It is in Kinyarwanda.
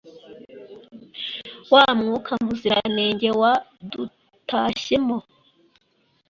wa mwuka muziranenge wa dutashyemo